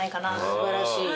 素晴らしい。